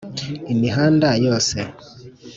imihanda yose